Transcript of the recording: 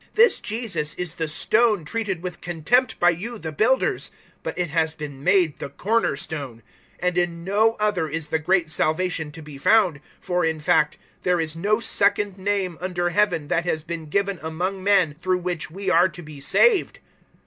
004:011 This Jesus is the Stone treated with contempt by you the builders, but it has been made the Cornerstone. 004:012 And in no other is the great salvation to be found; for, in fact, there is no second name under Heaven that has been given among men through which we are to be saved."